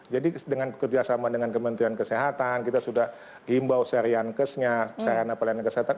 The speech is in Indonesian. jadi dengan kerjasama dengan kementerian kesehatan kita sudah himbau serian kesnya serana pelayanan kesehatan